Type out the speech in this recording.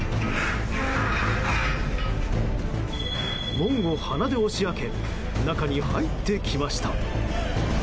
門を鼻で押し開け中に入ってきました。